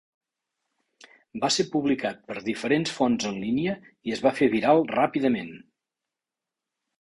Va ser publicat per diferents fonts en línia i es va fer viral ràpidament.